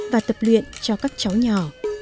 và tập luyện cho các cháu nhỏ